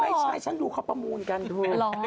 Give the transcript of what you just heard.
ไม่ใช่ฉันดูข้อประมูลกันดู